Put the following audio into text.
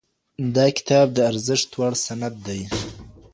دا کتاب د ارزښت وړ سند دی.